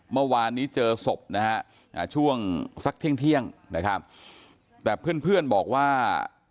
เมื่อวานนี้เจอศพช่วงสักเที่ยงแต่เพื่อนบอกว่า